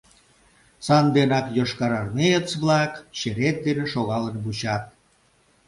Санденак йошкарармеец-влак черет дене шогалын вучат.